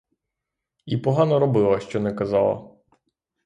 І погано робила, що не казала!